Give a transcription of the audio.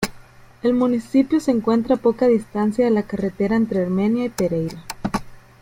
El municipio se encuentra a poca distancia de la carretera entre Armenia y Pereira.